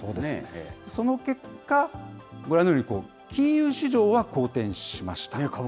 その結果、ご覧のように、金融市場は好転しました。